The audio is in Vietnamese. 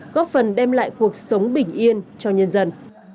góp phần đem lại cuộc sống bình yên cho nhân dân